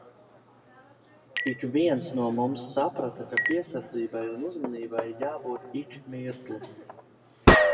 Ikviens no mums saprata, ka piesardzībai un uzmanībai jābūt ik mirkli.